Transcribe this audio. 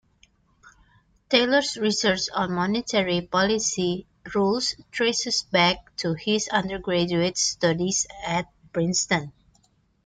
Taylor's research on monetary policy rules traces back to his undergraduate studies at Princeton.